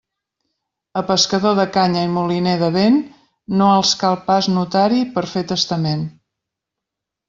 A pescador de canya i moliner de vent, no els cal pas notari per fer testament.